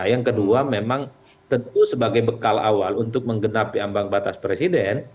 yang kedua memang tentu sebagai bekal awal untuk menggenapi ambang batas presiden